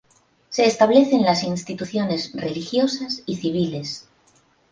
Se establecen las instituciones religiosas y civiles.